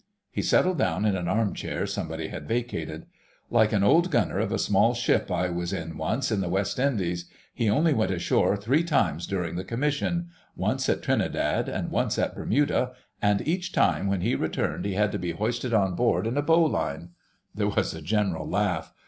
He settled down in an arm chair somebody had vacated. "Like an old Gunner of a small ship I was in once in the West Indies; he only went ashore three times during the commission—once at Trinidad, and once at Bermuda, and each time when he returned he had to be hoisted on board in a bowline." There was a general laugh.